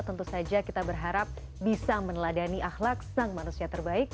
tentu saja kita berharap bisa meneladani ahlak sang manusia terbaik